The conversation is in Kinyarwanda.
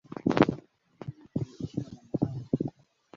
Ntuzigere ukina mumuhanda